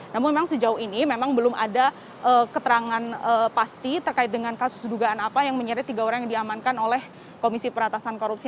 namun memang sejauh ini memang belum ada keterangan pasti terkait dengan kasus dugaan apa yang menyeret tiga orang yang diamankan oleh komisi peratasan korupsi